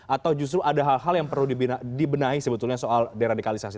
atau justru ada hal hal yang perlu dibenahi sebetulnya soal deradikalisasi